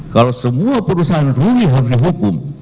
kalau semua perusahaan rugi harus dihukum